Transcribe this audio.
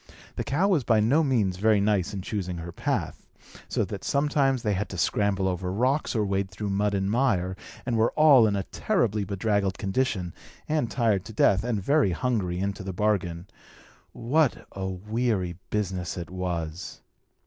The cow was by no means very nice in choosing her path; so that sometimes they had to scramble over rocks, or wade through mud and mire, and were all in a terribly bedraggled condition, and tired to death, and very hungry, into the bargain. What a weary business it was!